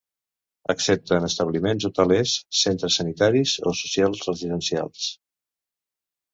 Excepte en establiments hotelers, centres sanitaris o socials residencials.